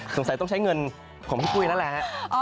สงสัยต้องใช้เงินของพี่ปุ้ยนั่นแหละฮะ